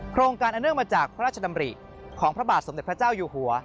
โครงการอเนื่องมาจากพระราชดำริของพระบาทสมเด็จพระเจ้าอยู่หัว